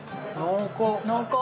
濃厚？